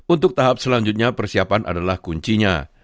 untuk tahap selanjutnya persiapan adalah kuncinya